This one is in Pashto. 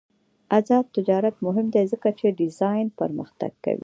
آزاد تجارت مهم دی ځکه چې ډیزاین پرمختګ کوي.